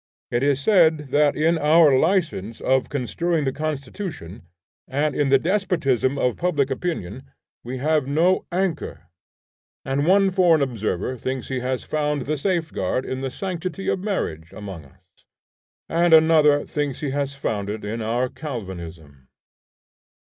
It is said that in our license of construing the Constitution, and in the despotism of public opinion, we have no anchor; and one foreign observer thinks he has found the safeguard in the sanctity of Marriage among us; and another thinks he has found it in our Calvinism.